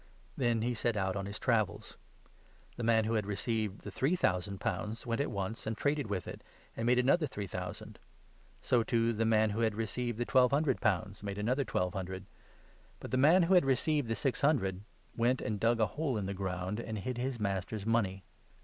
Then he set out on 16 his travels. The man who had received the three thousand pounds went at once and traded with it, and made another three thousand. So, too, the man who had received the 17 twelve hundred pounds made another twelve hundred. But 18 the man who had received the six hundred went and dug a hole in the ground, and hid his master's money.